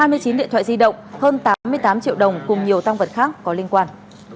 hai mươi chín điện thoại di động hơn tám mươi tám triệu đồng cùng nhiều tăng vật khác có liên quan